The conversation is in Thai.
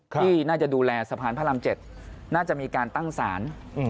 ที่น่าจะดูแลสะพานพระราม๗น่าจะมีการตั้งศาล